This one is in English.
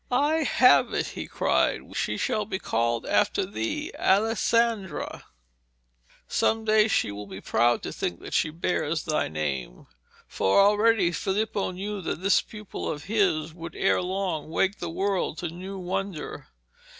'I have it!' he cried. 'She shall be called after thee, Alessandra. Some day she will be proud to think that she bears thy name.' For already Filippo knew that this pupil of his would ere long wake the world to new wonder.